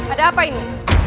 ada apa ini